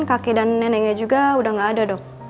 kakek dan neneknya juga udah gak ada dok